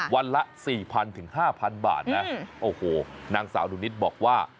วันละ๔๐๐ถึง๕๐๐บาทนะโอ้โหนางสาวหนูนิดบอกว่า